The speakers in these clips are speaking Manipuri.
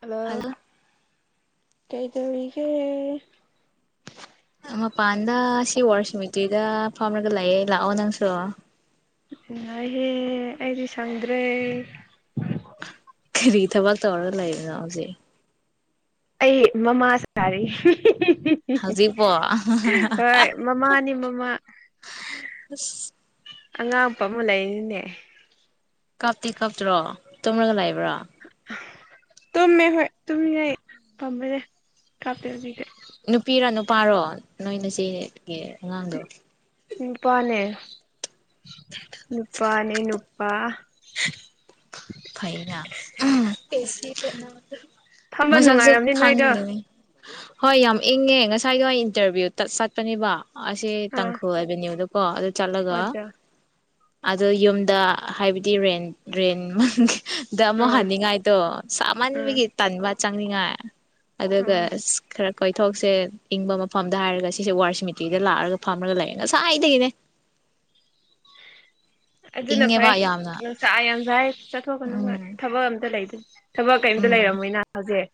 ꯍꯜꯂꯣ ꯀꯩꯗꯧꯔꯤꯒꯦ ꯃꯄꯥꯟꯗ ꯁꯤ ꯋꯥꯔ ꯁꯃꯤꯠꯇꯨꯗ ꯐꯝꯔꯒ ꯂꯥꯛꯑꯦ ꯂꯥꯛꯑꯣ ꯅꯪꯁꯨ ꯉꯥꯏꯍꯦ ꯑꯩꯗꯤ ꯁꯪꯗ꯭ꯔꯦ ꯀꯔꯤ ꯊꯕꯛ ꯇꯧꯔꯒ ꯂꯩꯗꯅꯣ ꯍꯧꯖꯤꯛ ꯑꯩ ꯃꯃꯥꯁꯥꯔꯤ ꯍꯧꯖꯤ ꯄꯣ ꯃꯃꯥꯅꯤ ꯃꯃꯥ ꯑꯉꯥꯡꯄ ꯑꯃ ꯂꯩꯔꯤꯅꯦ ꯀꯥꯞꯇꯤ ꯀꯥꯞꯇ꯭ꯔꯣ ꯇꯨꯝꯔꯒ ꯂꯥꯛꯑꯕ ꯈ꯭ꯔꯥ ꯇꯨꯝꯃꯦ ꯍꯣꯏ ꯇꯨꯝꯃꯦ ꯑꯩ ꯄꯥꯝꯕꯅꯦꯦ ꯀꯥꯞꯇꯦ ꯍꯧꯖꯤꯗꯤ ꯅꯨꯄꯤꯔꯣ ꯅꯨꯄꯥꯔꯣ ꯅꯣꯏꯅ ꯆꯦ ꯦ ꯑꯉꯥꯡꯗꯣ [inaudible] ꯅꯨꯄꯥ ꯅ ꯅꯨꯄꯥ ꯄ ꯐꯩꯅ ꯐꯝꯕ ꯃꯁꯥꯀꯁꯨ ꯅꯨꯡꯉꯥꯏꯔꯝꯅꯤ ꯅꯣꯏꯗꯣ ꯈꯥꯡꯗꯅꯤ ꯍꯣꯏ ꯌꯥꯝ ꯏꯪꯉꯦ ꯉꯁꯥꯏꯒꯤ ꯍ ꯏꯟꯇꯔꯚꯤꯌꯨ ꯆꯠꯄꯅꯦꯕ ꯑꯁꯦ ꯑꯥ ꯇꯥꯪꯈꯨꯜ ꯑꯒꯦꯟꯌꯦ ꯗꯨ ꯑ ꯆꯂꯒ ꯑꯆꯥ ꯑꯗꯣ ꯌꯨꯝꯗ ꯍꯥꯏꯕꯗꯤ ꯔꯦꯟ ꯔꯦꯟ ꯎꯝ ꯗꯃꯣ ꯑꯥ ꯍꯅꯤꯡꯒꯥꯏꯇꯣ ꯑꯥ ꯁꯃꯥꯟꯒꯤ ꯇꯟꯕꯥ ꯆꯪꯅꯤꯡꯉꯥꯏ ꯑꯗꯨꯒ ꯑꯥ ꯑꯁ ꯈꯔ ꯀꯣꯏꯊꯣꯛꯁꯦ ꯏꯪꯕ ꯃꯐꯝꯗ ꯍꯥꯏꯔꯒ ꯁꯤꯁꯦ ꯋꯥꯔ ꯁꯤꯃꯤꯇꯔꯤꯗ ꯂꯥꯛꯑꯒ ꯐꯝꯃꯒ ꯂꯩꯌꯦ ꯉꯁꯥꯏꯗꯒꯤꯅꯦ ꯑꯗꯨꯅ ꯐꯩ ꯏꯪꯉꯦꯕ ꯌꯥꯝꯅ ꯅꯨꯡꯁꯥ ꯌꯥꯝ ꯁꯥꯏ ꯆꯠꯊꯣꯛꯀꯅꯨ ꯑꯣꯏ ꯎꯝ ꯊꯕꯛ ꯑꯝꯇ ꯂꯩꯇꯦ ꯊꯕꯛ ꯀꯩꯝꯇ ꯎꯝ ꯂꯩꯔꯝꯃꯣꯏꯅ ꯍꯧꯖꯤꯛ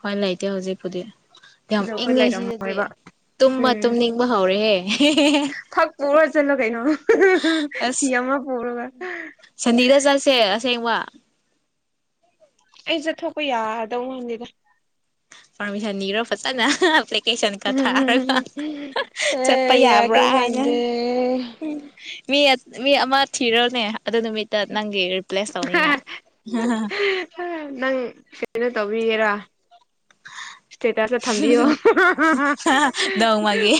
ꯍꯣꯏ ꯂꯩꯇꯦ ꯍꯧꯖꯤꯛꯄꯨꯗꯤ ꯌꯥꯝ ꯊꯤꯗꯣꯛꯄ ꯏꯪꯉꯦ ꯁꯤꯗꯗꯤ ꯂꯩꯔꯝꯃꯣꯏꯕ ꯇꯨꯝꯕ ꯎꯝ ꯇꯨꯝꯅꯤꯡꯕ ꯍꯧꯔꯦꯍꯦ ꯐꯛ ꯄꯨꯔ ꯆꯠꯂꯣ ꯀꯩꯅꯣ꯫ ꯐꯤ ꯑꯁ ꯑꯃꯥ ꯄꯨꯔꯒ ꯁꯦꯡꯕꯥ ꯑꯩ ꯆꯠꯊꯣꯛꯄ ꯌꯥꯗꯧ ꯃꯥꯟꯗꯦꯗ ꯄꯥꯔꯃꯤꯁꯟ ꯅꯤꯔꯣ ꯐꯖꯅꯥ ꯑꯍꯥꯍꯥ ꯐꯂꯦꯛ ꯄꯦꯁꯟꯀ ꯊꯥꯔꯒ ꯑꯦ ꯆꯠꯄ ꯌꯥꯕ꯭ꯔꯥ ꯌꯥꯗꯧ ꯍꯥꯏꯅ ꯃꯥꯟꯗꯦ ꯎꯪ ꯃꯤ ꯃꯤ ꯑꯃ ꯊꯤꯔꯣꯅꯦ ꯑꯗꯨ ꯅꯨꯃꯤꯠꯇ ꯅꯪ ꯔꯤꯄ꯭ꯂꯦꯁ ꯇꯧꯅꯤꯡꯉꯥꯏ ꯍꯥ ꯍꯥ ꯍꯥ ꯅ ꯇꯧꯕꯤꯒꯦꯔꯥ ꯁ꯭ꯇꯦꯇꯁꯇ ꯊꯝꯕꯤꯌꯣ ꯅꯣꯡꯃꯒꯤ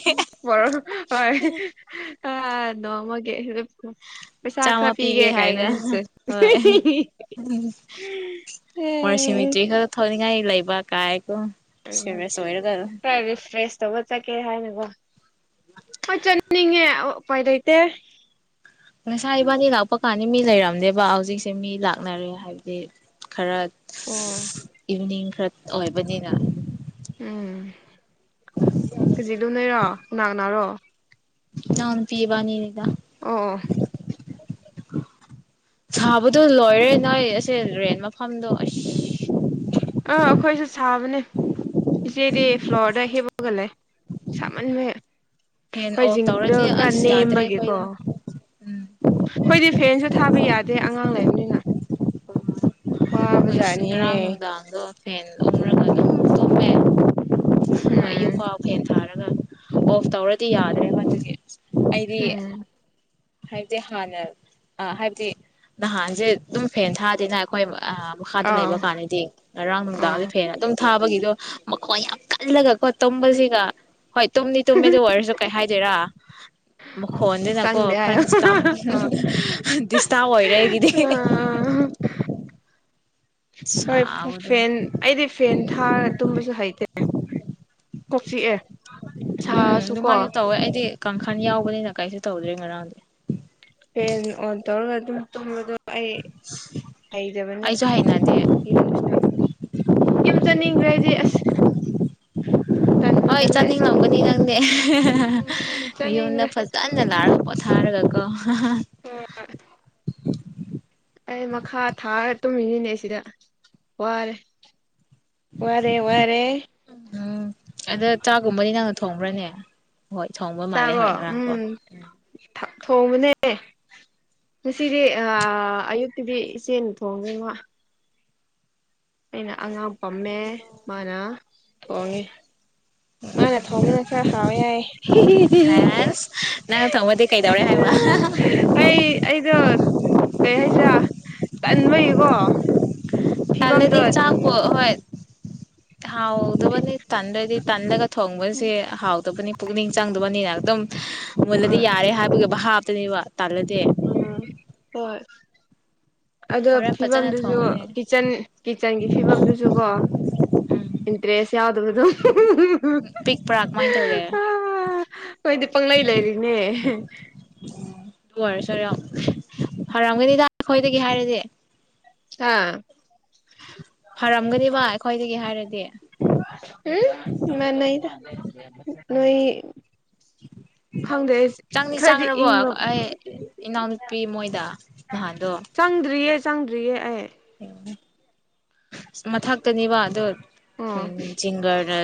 ꯍꯣꯏ [unintelligible] ꯄꯩꯁꯥ ꯈꯔ ꯆꯥꯝꯃ ꯄꯤꯒꯦ ꯀꯥꯏꯅ ꯍꯥꯏꯒ ꯁꯦ ꯍꯣꯏ ꯏꯍꯤ ꯍꯤ ꯕꯥ ꯀꯥꯏ ꯑꯥ ꯁꯦꯔꯦꯁ ꯑꯣꯏꯔꯒ ꯇꯧ ꯆꯠꯀꯦ ꯍꯥꯏꯅꯥꯀꯣ ꯑꯩ ꯆꯠꯅꯤꯡꯉꯦ ꯎꯄꯥꯏ ꯂꯩꯩꯇꯦ꯫ ꯉꯁꯥꯏ ꯏꯕꯥꯅꯤ ꯂꯥꯛꯄ ꯀꯥꯟꯗ ꯃꯤ ꯂꯩꯔꯝꯗꯦꯕ ꯍꯧꯖꯤꯛꯁꯦ ꯃꯤ ꯂꯥꯛꯅꯔꯦ ꯍꯥꯏꯕꯗꯤ ꯈꯔ ꯁ ꯏꯕꯤꯅꯤꯡ ꯈꯔ ꯑꯣꯏꯕꯅꯤꯅ ꯎꯝ ꯈꯖꯤꯛꯗꯨꯝ ꯂꯩꯔꯣ ꯀꯅꯥ ꯀꯅꯥꯔꯣ ꯏꯅꯥꯎꯄꯤ ꯏꯕꯅꯤꯅꯤꯗ ꯑꯣ ꯁꯥꯕꯗꯣ ꯂꯣꯏꯔꯦ ꯅꯣꯏ ꯑꯁꯦ ꯔꯦꯟ ꯃꯐꯝꯗꯣ ꯑꯩꯁ ꯑꯥ ꯑꯈꯣꯏꯁꯨ ꯁꯥꯕꯅꯦ ꯏꯆꯦꯗꯤ ꯐ꯭ꯂꯣꯔꯗ ꯍꯤꯞꯄꯒ ꯂꯩ ꯁꯥꯃꯟꯕꯩ ꯐꯦꯟ ꯍꯣꯏ ꯑꯣꯐ ꯖꯤꯡꯒꯥꯗꯣ ꯇꯧꯔꯗꯤ ꯈꯔ ꯑꯁ ꯌꯥꯗ꯭ꯔꯦ ꯅꯦꯝꯕꯒꯤꯀꯣ ꯑꯩꯈꯣꯏꯗ ꯎꯝ ꯍꯣꯏꯗꯤ ꯐꯦꯟꯁꯨ ꯊꯥꯕ ꯌꯥꯗꯦ ꯑꯉꯥꯡ ꯂꯩꯕꯅꯤꯅ ꯑꯩꯈꯣꯏ ꯁꯤ ꯋꯥꯕꯖꯥꯠꯅꯤꯍꯦ ꯉꯔꯥꯡ ꯅꯨꯡꯗꯥꯡꯗꯣ ꯐꯦꯟ ꯎꯪꯔꯒ ꯑꯗꯨꯝ ꯇꯨꯝꯃꯦ ꯎꯝ ꯑꯌꯨꯛꯐꯥꯎ ꯐꯦꯟ ꯊꯥꯔꯒ ꯑꯣꯐ ꯇꯧꯔꯗꯤ ꯌꯥꯗ꯭ꯔꯦꯕ ꯑꯗꯨꯒꯤ ꯑꯩꯗꯤ ꯎꯝ ꯍꯥꯏꯕꯗꯤ ꯍꯥꯟꯅ ꯑ ꯍꯥꯏꯕꯗꯤ ꯅꯍꯥꯟꯁꯦ ꯑꯗꯨꯝ ꯐꯦꯟ ꯊꯥꯗꯦꯅ ꯑꯩꯈꯣꯏ ꯑꯥ ꯃꯈꯥꯗ ꯑꯥ ꯂꯩꯕ ꯀꯥꯟꯗꯗꯤ ꯉꯔꯥꯡ ꯑꯥ ꯅꯨꯡꯗꯥꯡꯗꯤ ꯐꯩꯟ ꯑꯗꯨꯝ ꯊꯥ ꯕꯒꯤꯗꯣ ꯃꯈꯣꯟ ꯌꯥꯝ ꯀꯜꯂꯒꯀꯣ ꯇꯨꯝꯕꯁꯤꯒ ꯍꯣꯏꯇ ꯇꯨꯝꯗꯤ ꯇꯨꯝꯃꯤꯗꯨ ꯑꯣꯏꯔꯁꯨ ꯀꯩ ꯍꯥꯏꯗꯣꯏꯔꯥ ꯃꯈꯣꯟꯗꯨꯅꯀꯣ ꯆꯪꯗꯦ ꯈꯔ ꯍꯥꯏꯌꯣ ꯗꯤꯁꯇꯥꯕ ꯑꯥ ꯗꯤꯁꯇꯥꯕ ꯑꯣꯏꯔꯦ ꯑꯩꯒꯤꯗꯤ ꯍꯣꯏ ꯐꯨ ꯁꯥꯕꯗꯣ ꯐꯦꯟ ꯑꯩꯗꯤ ꯐꯦꯟ ꯊꯥꯔ ꯇꯨꯝꯕꯁꯨ ꯍꯩꯇꯦ ꯑꯦ ꯀꯣꯛ ꯆꯤꯛꯑꯦ ꯎꯝ ꯁꯥꯔꯁꯨ ꯀꯣ ꯑꯗꯨꯃꯥꯏꯅ ꯇꯧꯋꯦ ꯑꯩꯗꯤ ꯀꯥꯡꯈꯟ ꯌꯥꯎꯕꯅꯤꯅ ꯀꯩꯁꯨ ꯇꯧꯗꯔ꯭ꯦ ꯉꯔꯥꯡꯗꯤ ꯐꯦꯟ ꯑꯣꯟ ꯇꯧꯔꯒ ꯍꯨꯝ ꯇꯨꯝꯕꯗꯣ ꯑꯩ ꯍꯩꯖꯕꯅꯤ ꯑꯩꯁꯨ ꯍꯩꯅꯗꯦ ꯌꯨꯝꯗꯁꯨ ꯌꯨꯝ ꯆꯅꯤꯡꯒꯔ꯭ꯦ ꯑꯩꯗꯤ ꯑꯁ [inaudible] ꯍꯣꯏ ꯇꯜꯂꯦ ꯑꯁ ꯆꯠꯅꯤꯡꯂꯝꯒꯅꯤ ꯅꯪꯗꯦ ꯎꯝ ꯌꯨꯝꯗ ꯆꯠꯅꯤꯡꯈ꯭ꯔꯦ ꯐꯖꯅ ꯂꯥꯒ ꯄꯣꯊꯥ ꯊꯥꯔꯒꯀꯣ ꯑꯍ ꯑꯩ ꯃꯈꯥ ꯊꯥꯔ ꯇꯨꯝꯃꯤꯅꯤꯅꯦ ꯁꯤꯗ ꯋꯥꯔꯦ ꯋꯥꯔꯦ ꯋꯥꯔꯦ ꯎꯝ ꯑꯗ ꯆꯥꯒꯨꯝꯕꯗꯤ ꯅꯪꯅ ꯊꯣꯡꯕ꯭ꯔꯅꯦ ꯍꯣꯏ ꯊꯣꯡꯕ ꯃꯥꯜꯂꯦ ꯆꯥꯔꯣ ꯍꯣꯏ ꯎꯝ ꯉꯔꯥꯡꯀꯣ ꯊꯣꯡꯕꯅꯦ ꯉꯁꯤꯗꯤ ꯑ ꯑꯌꯨꯛꯇꯀꯤꯗꯤ ꯏꯆꯦ ꯊꯣꯡꯉꯦ ꯃ ꯑꯩꯅ ꯑꯉꯥꯡ ꯄꯝꯃꯦ ꯃꯥꯅ ꯊꯣꯡꯉꯦ ꯃꯥꯅ ꯊꯣꯡꯕꯅ ꯈꯔ ꯍꯥꯎꯋꯦ ꯍꯥꯏ ꯑꯁ ꯅꯪ ꯊꯣꯡꯕꯗꯤ ꯀꯩꯗꯧꯔꯦ ꯍꯥꯏꯕ [unintelligible] ꯑꯩ ꯑꯩꯗꯣ ꯀꯩ ꯍꯥꯏꯁꯤꯔꯥ ꯇꯟꯕꯒꯤꯀꯣ ꯐꯤꯕꯝꯗꯣ ꯇꯂꯦꯗꯤ ꯆꯥꯛꯄꯣ ꯎꯝ ꯍꯣꯏꯇ [inaudible] ꯍꯥꯎꯗꯕꯅꯤ ꯇꯟꯕꯩꯗꯤ ꯇꯟꯗꯒ ꯊꯣꯡꯕꯁꯦ ꯎꯝ ꯍꯥꯎꯇꯕꯅꯤ ꯄꯨꯛꯅꯤꯡ ꯆꯪꯗꯕꯅꯤꯅ ꯑꯗꯨꯝ ꯃꯨꯜꯂꯗꯤ ꯍꯣꯏ ꯌꯥꯔꯦ ꯍꯥꯏꯕꯒꯤ ꯚꯍꯥꯕ ꯇꯨꯅꯤꯕ ꯎꯝ ꯍꯣꯏ ꯑꯗꯣ ꯍꯣꯔꯦꯟ ꯐꯖꯅ ꯐꯤꯕꯝꯗꯨꯁꯨ ꯊꯣꯡꯉꯨꯅꯦ ꯀꯤꯠꯆꯟ ꯀꯤꯠꯆꯟꯒꯤ ꯐꯤꯕꯝꯗꯨꯁꯨ ꯀꯣ ꯎꯝ ꯏꯟꯇꯔ꯭ꯦꯁ ꯌꯥꯎꯗꯕꯗꯨ [inaudible] ꯄꯤꯛꯄ꯭ꯔꯥ ꯀꯃꯥꯏꯅ ꯇꯧꯒꯦ ꯑꯗꯨ ꯑꯩꯈꯣꯏꯗꯤ ꯄꯪꯂꯪ ꯂꯩꯔꯤꯅꯦ ꯐꯔꯝꯒꯅꯤꯗ ꯑꯩꯈꯣꯏꯗꯒꯤ ꯍꯥꯏꯔꯗꯤ ꯍꯥ [inaudible] ꯑꯩꯈꯣꯏꯗꯒꯤ ꯍꯥꯏꯔꯗꯤ ꯎꯝ ꯃꯥꯟꯅꯩꯗ ꯅꯣꯏ ꯈꯪꯗꯦ ꯆꯪꯗꯤ ꯈꯔꯗꯤ ꯆꯪꯔꯕꯣ ꯏꯪꯕ ꯑꯩ ꯏꯅꯥꯎꯅꯨꯄꯤ ꯃꯣꯏꯗ ꯅꯍꯥꯟꯗꯣ ꯆꯪꯗ꯭ꯔꯤꯌꯦ ꯆꯪꯗ꯭ꯔꯤꯌꯦ ꯑꯩ [unintelligible] ꯃꯊꯛꯇꯅꯤꯕ ꯑꯗꯣ ꯑꯣ ꯎꯝ ꯖꯤꯡꯒꯔ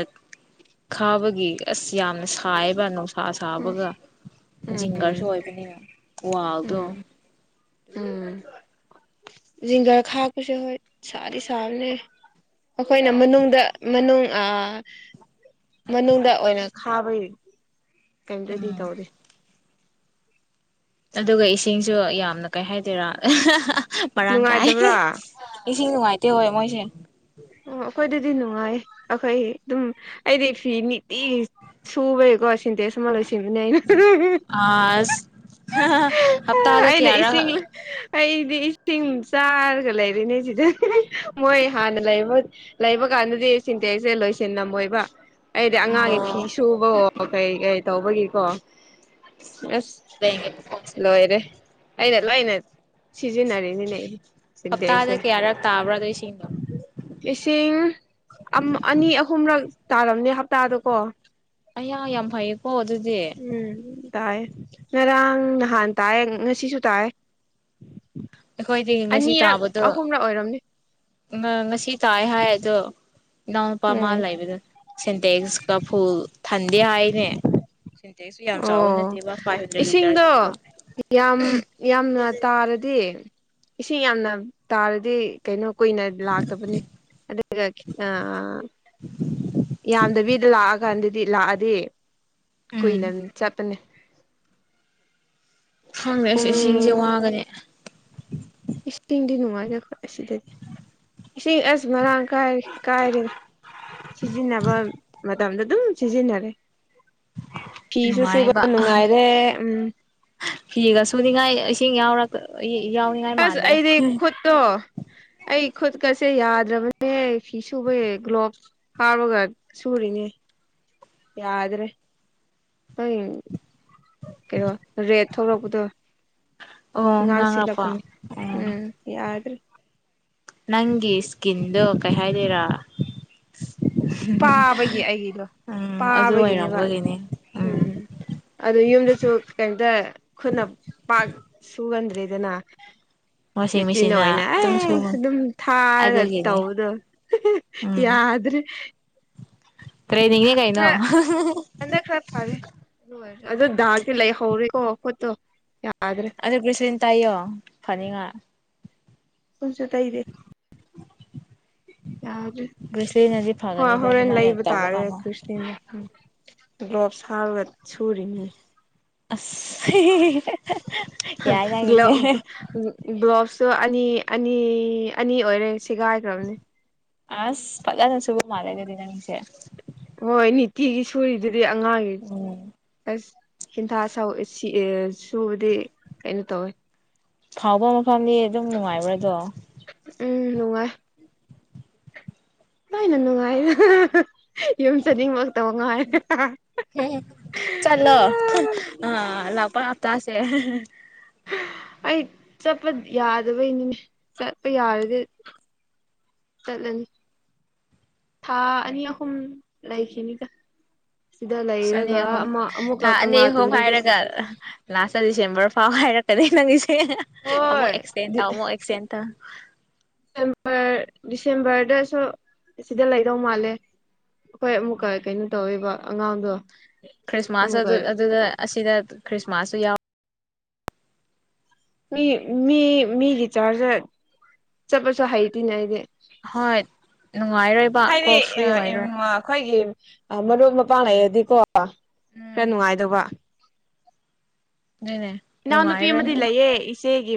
[inaudible] ꯈꯥꯕꯒꯤ ꯑꯁ ꯌꯥꯝꯅ ꯁꯥꯏꯕ [inaudible] ꯁꯥ ꯎꯝ ꯁꯥꯕꯒ ꯖꯤꯡꯒꯔꯁꯨ ꯎꯝ ꯑꯣꯏꯕꯅꯤꯅ ꯋꯥꯜꯗꯣ ꯎꯝ ꯎꯝ ꯖꯤꯡꯒꯔ ꯈꯕꯥꯁꯦ ꯍꯣꯏ ꯁꯥꯗꯤ ꯁꯥꯕꯅꯦ ꯑꯩꯈꯣꯏꯅ ꯃꯅꯨꯡꯗ ꯃꯅꯨꯡ ꯑꯥ ꯃꯅꯨꯡꯗ ꯑꯣꯏꯅ ꯈꯥꯕꯒꯤ ꯀꯩꯝꯇꯗꯤ ꯎꯝ ꯇꯧꯗꯦ ꯑꯗꯨꯒ ꯏꯁꯤꯡꯁꯨ ꯌꯥꯝꯅ ꯀꯩ ꯍꯥꯏꯗꯣꯏꯔ ꯑꯍꯥꯍꯥ ꯃꯔꯥꯡ ꯀꯥꯏ ꯅꯨꯡꯉꯥꯏꯇꯕ꯭ꯔꯥ ꯑꯣ ꯏꯁꯤꯡ ꯅꯨꯡꯉꯥꯏꯇꯦ ꯍꯣꯏ ꯃꯣꯏ [inaudible] ꯑꯗꯨꯗꯤ ꯅꯨꯡꯉꯥꯏ ꯑꯩꯈꯣꯏ ꯑꯗꯨꯝ ꯑꯩꯗꯤ ꯐꯤ ꯅꯨꯪꯇꯤꯒꯤ ꯁꯨꯕꯒꯤꯀꯣ ꯁꯤꯟꯇꯦꯛꯁ ꯑꯃ ꯂꯣꯏꯁꯤꯟ [inaudible] ꯑꯁ ꯍꯞꯇꯥꯗ ꯑꯩꯅ ꯏꯁꯤꯡ ꯀꯌꯥꯔꯛ ꯑꯩꯗꯤ ꯏꯁꯤꯡ ꯆꯥꯔꯒ ꯂꯩꯔꯤꯅꯦ ꯁꯤꯗ ꯃꯣꯏ ꯍꯥꯟꯅ ꯂꯩ ꯂꯩꯕ ꯀꯥꯟꯗꯗꯤ ꯁꯤꯟꯇꯦꯛꯁꯁꯦ ꯂꯣꯏꯁꯤꯟꯂꯝꯝꯃꯣꯏꯕ ꯑꯩꯗꯤ ꯑꯉꯥꯡꯒꯤ ꯐꯤ ꯑꯣ ꯁꯨꯕꯋꯣ ꯀꯔꯤ ꯀꯔꯤ ꯇꯧꯕꯒꯤꯀꯣ ꯑꯁ ꯂꯩꯒꯦ ꯃꯈꯣꯟꯁꯦ ꯂꯣꯏꯔꯦ ꯑꯩꯅ ꯂꯣꯏꯅ ꯁꯤꯖꯤꯟꯅꯔꯤꯅꯤꯅꯦ ꯍꯞꯇꯥꯗ ꯀꯌꯥꯔꯛ ꯇꯥꯕ꯭ꯔꯥ ꯅꯣꯏ ꯏꯁꯤꯡ ꯑꯝ ꯑꯅꯤ ꯑꯍꯨꯝꯔꯛ ꯇꯥꯔꯝꯅꯦ ꯍꯞꯇꯥꯗ ꯀꯣ ꯑꯌꯥ ꯌꯥꯝ ꯐꯩꯌꯦ ꯍꯣ ꯑꯗꯨꯗꯤ ꯎꯝ ꯇꯥꯏ ꯉꯔꯥꯡ ꯅꯍꯥꯟ ꯇꯥꯏ ꯉꯁꯤꯁꯨ ꯇꯥꯏ ꯑꯩꯈꯣꯏꯗꯤ ꯉꯁꯤ ꯑꯅꯤꯔꯛ ꯇꯥꯕꯗꯣ ꯑꯍꯨꯝꯔꯛ ꯑꯣꯏꯔꯝꯅꯦ ꯉꯁꯤ ꯇꯥꯏ ꯍꯥꯏ ꯑꯗꯣ ꯏꯅꯥꯎꯅꯨꯄꯥ ꯃꯥ ꯎꯝ ꯂꯩꯕꯗ ꯁꯦꯟꯇꯦꯛꯁ ꯀꯐꯨꯜ ꯊꯟꯗꯦ ꯍꯥꯏꯅꯦ ꯁꯤꯟꯇꯦꯛꯁꯨ ꯌꯥꯝ ꯆꯥꯎꯕ ꯑꯣ ꯅꯠꯇꯦꯕ ꯐꯥꯏꯚ ꯍꯟꯗ꯭ꯔꯦꯠ ꯏꯁꯤꯡꯗꯣ ꯂꯤꯇꯔꯁꯤꯗꯤꯀꯣ ꯌꯥꯝ ꯌꯥꯝꯅ ꯇꯥꯔꯗꯤ ꯏꯁꯤꯡ ꯌꯥꯝꯅ ꯇꯥꯔꯗꯤ ꯀꯩꯅꯣ ꯀꯨꯏꯅ ꯂꯥꯛꯇꯕꯅꯤ ꯑꯗꯨꯒ ꯑ ꯒꯗꯤꯗꯤ ꯂꯥꯛꯑꯗꯦ ꯎꯝ ꯀꯨꯏꯗꯃꯤ ꯆꯠꯄꯅꯤ ꯐꯪꯗ꯭ꯔꯦꯁ ꯏꯁꯤꯡꯁꯦ ꯄꯨꯡ ꯋꯥꯒꯅꯤ ꯏꯁꯤꯡꯗꯤ ꯅꯨꯡꯉꯥꯏꯌꯦ ꯑꯁꯤꯗꯗꯤ ꯏꯁꯤꯡ ꯑꯁ ꯃꯔꯥꯡ ꯀꯥꯏꯔꯦ ꯀꯥꯏꯔꯦꯗ ꯁꯤꯖꯤꯟꯅꯕ ꯃꯇꯝꯗ ꯑꯗꯨꯝ ꯁꯤꯖꯤꯟꯅꯔꯦ ꯐꯤꯁꯨ ꯁꯨꯕ ꯅꯨꯡꯉꯥꯏꯕ ꯅꯨꯡꯉꯥꯏꯔꯦ ꯎꯝ ꯐꯤꯒ ꯁꯨꯅꯤꯡꯉꯥꯏ ꯏꯁꯤꯡ ꯌꯥꯎꯔꯒ ꯑꯁ ꯑꯩꯗꯤ ꯈꯣꯠꯇꯣ ꯑꯩ ꯈꯨꯠꯀꯁꯦ ꯌꯥꯗ꯭ꯔꯕꯅꯦꯍ ꯐꯤ ꯁꯨꯕꯦ ꯒ꯭ꯂꯣꯚꯁ ꯍꯥꯕꯒ ꯁꯨꯔꯤꯅꯦ ꯌꯥꯗ꯭ꯔꯦ ꯍ ꯊꯣꯛꯂꯛꯄꯗꯣ ꯑꯣ ꯉꯥꯟꯁꯤꯂ ꯉꯥꯡꯔꯛꯄ ꯄꯨꯅꯤ ꯎꯝ ꯌꯥꯗ꯭ꯔꯦ ꯅꯪꯒꯤ ꯏꯁꯀꯤꯟꯗꯣ ꯀꯩ ꯍꯥꯏꯗꯣꯏꯔꯥ ꯄꯥꯕꯒꯤ ꯑꯩꯒꯤꯗꯣ ꯎꯝ ꯑꯗꯨ ꯄꯥꯕꯒꯤꯅꯦꯕ ꯑꯣꯏꯔꯝꯕꯒꯤꯅꯦ ꯎꯝ ꯑꯗꯨ ꯌꯨꯝꯗꯁꯨ ꯀꯩꯇ ꯈꯨꯠꯅ ꯄꯥꯛ ꯁꯨꯒꯟꯗ ꯗꯅ ꯋꯥꯁꯤꯡ ꯃꯦꯆꯤꯟꯗ ꯑꯣꯏꯅ ꯃꯦꯆꯤꯟꯅ ꯑꯗꯨꯝ ꯑꯦ ꯁꯨꯕ ꯑꯗꯨꯝ ꯊꯥꯔ ꯑꯗꯨꯒꯤꯅꯤ ꯇꯧꯕꯗꯣ ꯎꯝ ꯌꯥꯗ꯭ꯔꯦ ꯦ ꯅꯤꯡꯉꯦ ꯀꯥꯏꯅꯣ ꯈꯔ ꯍꯟꯗꯛ ꯈꯔ ꯐꯔꯦ ꯑꯗꯨ ꯑꯣꯏꯔꯁꯨ ꯑꯗꯨ ꯗꯥꯛꯇ ꯂꯩ ꯍꯧꯔꯤꯦ ꯀꯣ ꯀꯣꯠꯇꯣ ꯌꯥ ꯑꯗꯣ ꯀꯁꯅ ꯇꯥꯏꯣ ꯐꯥꯅꯤꯡꯉꯥ ꯄꯨꯝꯁ ꯇꯥꯏꯗ ꯌꯥ ꯒ꯭ꯔꯤꯁꯂꯤꯅꯗꯤ ꯍꯣꯏ ꯐꯒꯅꯤꯗ ꯍꯣꯔꯅ ꯂꯩ ꯑꯗꯨꯃꯥꯏꯅ ꯇꯧꯕ ꯇꯥꯔꯦ ꯀꯥꯟꯗ ꯒ꯭ꯂꯣꯞꯁ ꯍꯥꯔꯒ ꯁꯨꯔꯤꯅꯤ ꯌꯥꯏ ꯆꯪꯉꯁꯦ ꯁꯣ ꯑꯅꯤ ꯑꯅꯤ ꯑꯅꯤ ꯑꯣꯏꯔꯦ ꯁꯤꯦꯒꯥꯏꯈ꯭ꯔꯕꯅꯦ ꯑꯁ ꯄꯂ ꯅꯁꯨꯕꯕꯨ ꯃꯥꯔꯦꯒꯔꯤ ꯅꯁ ꯍꯣꯏ ꯅꯤꯡꯠꯇꯤꯒꯤ ꯁꯨꯨꯔꯗ ꯗꯤ ꯑꯉꯥꯡꯒꯤ ꯎꯝ ꯑꯁ ꯍꯦꯟꯊ ꯁ ꯁꯨꯕꯗꯤ ꯀꯩꯅꯣ ꯇꯧꯋꯦ ꯐꯥꯎꯕ ꯃꯐꯝꯗꯤ ꯑꯗꯨꯝ ꯅꯨꯡꯉꯥꯏꯕ꯭ꯔꯥꯗꯣ ꯎꯝ ꯎꯅꯨꯡꯃ ꯀꯥꯏꯅ ꯅꯨꯡꯉꯥꯏꯗ ꯌꯨꯝ ꯆꯠꯅꯤꯡꯃꯛꯇꯕ ꯉꯥꯏꯔꯦ ꯆꯂ ꯑ ꯂꯥꯛꯄ ꯇꯁꯦ ꯑꯩ ꯆꯠꯄ ꯌꯥꯗꯕꯩꯅꯤꯅꯦ ꯆꯠꯄ ꯌꯥꯔꯗꯤ ꯆꯠꯂꯅꯤ ꯊꯥ ꯑꯅꯤ ꯑꯍꯨꯝ ꯂꯩꯈꯤꯅꯤꯒ ꯆꯅꯤ ꯑꯍꯨꯝ ꯊꯥ ꯑꯅꯤ ꯀꯪꯂꯥ ꯑꯍꯨꯝ ꯇꯨꯝꯕꯤꯗ ꯍꯥꯏꯔꯒ ꯂꯥꯁꯇ ꯗꯤꯁꯦꯝꯕꯔ ꯑ ꯍꯥꯏꯔꯛꯀꯗꯦ ꯅꯪꯒꯤ ꯛ ꯍꯣꯏ ꯑꯦꯛꯁꯗꯦꯟ ꯑ ꯑꯃꯛ ꯑꯦꯛꯁꯤꯦꯟ ꯗꯤꯁꯦꯝꯕꯔ ꯗꯤꯁꯦꯝꯕꯔꯗꯁꯨ ꯁꯤꯗ ꯂꯩꯗꯧ ꯃꯥꯜꯂꯦ ꯑꯩꯈꯣꯏ ꯑꯃꯨꯛꯀ ꯀꯩꯅꯣ ꯇꯧꯔꯤꯕ ꯑꯉꯥꯡꯗꯣ ꯀ꯭ꯔꯤꯁꯃꯥꯁ ꯑꯃꯨꯛꯀ ꯑꯗꯨ ꯑꯗꯨꯗ ꯁꯤꯗ ꯈ꯭ꯔꯤꯁꯃꯥꯁꯁꯨ ꯌꯥꯎ ꯃꯤ ꯃꯤ ꯃꯤꯒꯤ ꯆꯥꯖ ꯆꯠꯄ ꯆ ꯍꯥꯏꯩꯇꯅꯦ ꯍꯥꯏꯗꯤ ꯍꯣꯏ ꯅꯨꯡꯉꯥꯏꯔꯣꯏꯕ ꯀꯣ ꯐ꯭ꯔꯤ ꯑꯣꯏꯔꯣꯏ ꯑ ꯃꯅ ꯄꯅꯦꯗꯤ ꯀꯣ ꯈꯔ ꯎꯝ ꯅꯨꯡꯉꯥꯏꯗꯧꯕ ꯑꯗꯨꯅꯦ ꯅꯎꯅ ꯅꯨꯡꯉꯥꯏꯔꯣꯏ ꯄꯤꯃꯗꯂꯌꯦꯦ ꯏꯆꯦꯒꯤ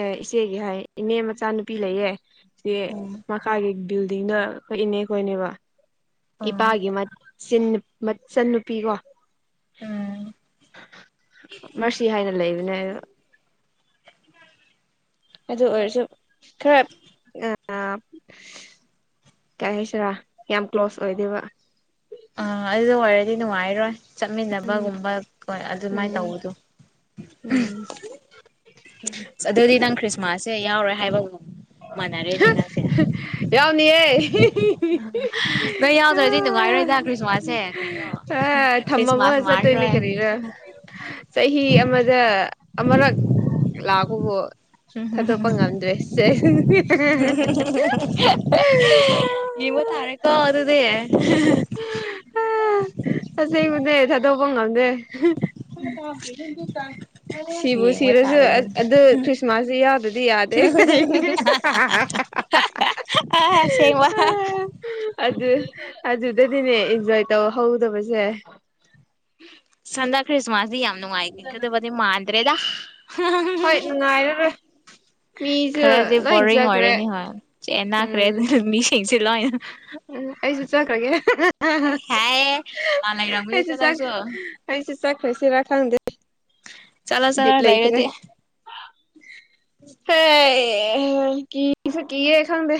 ꯑꯦ ꯏꯆꯦꯒꯤ ꯍꯥꯏ ꯏꯅꯦ ꯃꯆꯥꯅꯨꯄꯤ ꯂꯩꯌꯦ ꯦ ꯎꯝ ꯃ ꯀꯥꯒꯤ ꯕꯤꯜꯗꯤꯡꯅ ꯀ ꯏꯅꯦ ꯈꯈꯣꯏꯅꯦꯕ ꯏ ꯎꯝ ꯄꯑꯦ ꯃ ꯁꯟꯟꯅꯨꯄꯤ ꯀꯣ ꯎꯝ ꯃꯁꯤꯁꯤ ꯍꯥꯏꯅ ꯂꯩꯕꯅꯦ ꯑ ꯑꯗꯨ ꯑꯣꯏꯔꯁꯨ ꯈ ꯑ ꯑ ꯀꯩ ꯍꯥꯏꯁꯤꯔꯥ ꯌꯥꯝ ꯀ꯭ꯂꯣꯁ ꯑꯣꯏꯗꯕ ꯑꯗꯨꯗ ꯑꯣꯏꯔꯗꯤ ꯅꯨꯡꯉꯥꯏꯔꯣꯏ ꯆꯠꯃꯤꯟꯅꯕꯒꯨꯝꯕ ꯀꯣꯏ ꯑꯗꯨꯃꯥꯏꯅ ꯎꯝ ꯇꯧꯕꯗꯣ ꯎꯝ ꯑꯗꯨꯗꯤ ꯅꯪ ꯈ꯭ꯔꯤꯁꯃꯥꯁ ꯁꯦ ꯌꯥꯎꯔꯦ ꯍꯥꯏꯕꯒꯨꯝ ꯃꯥꯟꯅꯔꯦꯅꯦ ꯌꯥꯎꯅꯤꯑꯦ ꯍ ꯎꯝ ꯅꯣꯏ ꯌꯥꯎꯗ꯭ꯔꯗꯤ ꯅꯨꯡꯉꯥꯏꯔꯣꯏꯗ ꯈ꯭ꯔꯤꯁꯃꯥꯁꯁꯦ ꯀꯩꯅꯣ ꯑ ꯊꯝꯃꯝꯃꯒ ꯈ꯭ꯔꯤꯁꯃꯥꯁ ꯆꯠꯇꯣꯏꯅꯦ ꯃꯥꯟꯔꯣꯏ ꯀꯔꯤꯔ ꯆꯍꯤ ꯑꯃꯗ ꯑꯃꯔꯛ ꯂꯛꯄꯕꯨ ꯊꯥꯗꯣꯛꯄ ꯉꯝꯗ꯭ꯔꯦ ꯍꯦꯍꯦ ꯌꯦꯡꯕ ꯇꯥꯔꯦꯀꯣ ꯑꯗꯨꯗꯤ ꯑ ꯑꯁꯦꯡꯕꯅꯦ ꯊꯥꯗꯣꯛꯄ ꯉꯝꯗꯦ ꯁꯤꯕꯨ ꯌꯦꯡꯕ ꯁꯤꯔꯁꯨ ꯇꯥꯔꯦꯅꯦ ꯑꯗꯨ ꯈ꯭ꯔꯤꯁꯃꯥꯁꯇꯤ ꯌꯥꯎꯗꯗꯤ ꯌꯥꯗꯦ ꯍꯥꯍꯥ ꯑꯁꯦꯡꯕ ꯑꯗꯨ ꯑꯗꯨꯗꯤꯅꯦ ꯏꯟꯖꯣꯏ ꯇꯧꯍꯧꯗꯕꯁꯦ ꯍꯟꯗꯛ ꯈ꯭ꯔꯤꯁꯃꯥꯁꯇꯤ ꯌꯥꯝ ꯥꯅꯨꯉꯥꯏꯒꯗꯕꯗꯤ ꯃꯥꯜ ꯈꯪꯗꯔꯦꯗ ꯍꯣꯏ ꯅꯨꯡꯉꯥꯏꯔꯔꯦꯏ ꯈꯔꯗꯤ ꯕꯑꯣꯔꯤꯡ ꯑꯣꯏꯔꯅꯤ ꯍꯣꯏ ꯆꯦꯟꯅꯈ꯭ꯔꯦ ꯎꯝ ꯑꯗꯨ ꯃꯤꯁꯤꯡ ꯁꯤ ꯂꯣꯏ ꯅ ꯎꯝ ꯑꯩꯁꯨ ꯆꯠꯈ꯭ꯔꯒꯦ ꯍꯥꯏꯌꯦ ꯃꯥ ꯂꯩꯔꯝꯒꯅꯤꯀꯣ ꯑꯩꯁꯨ ꯅꯪꯁꯨ ꯑꯩꯁꯨ ꯆꯈ꯭ꯔꯁꯤꯔꯥ ꯈꯪꯗꯦ ꯆꯂꯣ ꯆꯂꯣ ꯕꯤꯠ ꯂꯩꯇ꯭ꯔꯦ ꯂꯩꯩꯔꯗꯤ ꯍꯦ ꯑꯦ ꯀꯤꯁꯨ ꯀꯤꯌꯦ ꯈꯪꯗ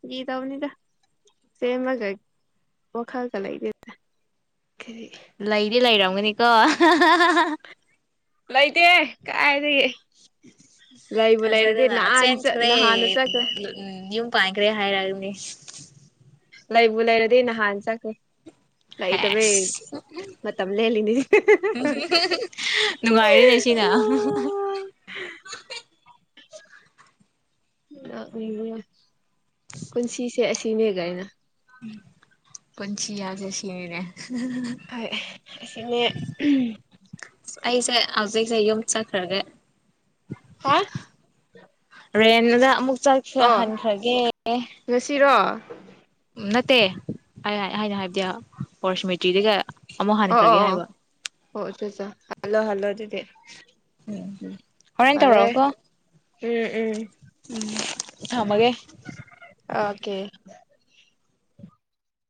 ꯐꯥꯒꯤꯗꯧꯕꯅꯤꯗ ꯆꯦꯟꯕꯒꯥ ꯋꯥꯈꯟꯒ ꯂꯩꯇꯦꯗ ꯂꯩꯗꯤ ꯂꯩꯔꯝ ꯒꯅꯤꯀꯣ ꯂꯩꯇꯦ ꯀꯥꯏꯗꯒꯤ ꯂꯩꯏꯕꯨ ꯂꯩꯔꯗꯤ ꯊꯥꯖꯗꯅ ꯅꯍꯥꯟ ꯆꯠ ꯆꯦꯟꯈ꯭ꯔꯦ ꯅꯍꯥꯟꯅ ꯆꯈ꯭ꯔꯦ ꯎꯝ ꯌꯨꯝ ꯄꯥꯏꯈꯔꯦ ꯍꯥꯏꯔꯒꯅꯤ ꯂꯩꯕꯨ ꯂꯩꯔꯗꯤ ꯅꯍꯥꯟ ꯆꯠꯈꯦ ꯂꯩꯇꯕꯩ ꯍꯦꯁ ꯃꯇꯝ ꯂꯦꯜꯂꯤꯅꯤꯥ ꯅꯨꯡꯉꯥꯏꯔꯦꯅꯦ ꯁꯤꯅ ꯅꯦ ꯄꯨꯟꯁꯤꯁꯦ ꯑꯁꯤꯅꯦ ꯀꯩ ꯅꯣ ꯄꯨꯟꯁꯤ ꯍꯥꯌꯕꯁꯦ ꯑꯁꯤꯅꯤꯅꯦ ꯍꯣꯏ ꯑꯁꯤꯅꯦ ꯑꯩꯁꯦ ꯍꯧꯖꯤꯛꯁꯦ ꯌꯨꯝ ꯆꯠꯈ꯭ꯔꯒꯦ ꯍꯥ ꯔꯦꯟꯗ ꯑꯃꯨꯛ ꯆꯠꯈ ꯑꯣ ꯍꯟꯈ꯭ꯔꯒꯦ ꯉꯁꯤꯔꯣ ꯑꯣ ꯅꯠꯇꯦ ꯑꯩꯅ ꯍꯥꯏꯕꯗꯤ ꯄꯣꯔꯁꯃꯤꯇ꯭ꯔꯤꯗꯒ ꯑꯃꯨꯛ ꯑꯣ ꯑꯣ ꯍꯟꯈ꯭ꯔꯒꯦ ꯑꯣ ꯍꯥꯏꯕ ꯑꯣ ꯍꯜꯂꯣ ꯍꯜꯂꯣ ꯑꯗꯨꯗꯤ [inaudible] ꯎꯝ ꯍꯣꯔꯦꯟ ꯐꯔꯦ ꯇꯧꯔꯛꯑꯣꯀꯣ ꯎꯝ ꯎꯝ ꯎꯝ ꯊꯝꯃꯒꯦ ꯑꯣꯀꯦ